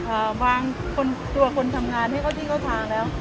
บางคนตัวคนทำงานให้เข้าที่เข้าทางแล้ว